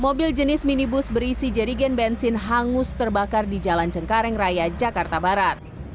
mobil jenis minibus berisi jadigen bensin hangus terbakar di jalan cengkareng raya jakarta barat